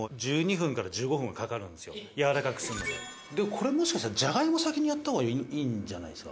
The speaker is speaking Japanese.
「これもしかしたらじゃがいも先にやった方がいいんじゃないですか？